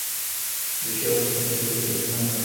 The show is dedicated to his memory.